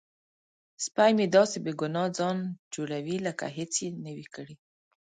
سپی مې داسې بې ګناه ځان جوړوي لکه هیڅ یې نه وي کړي.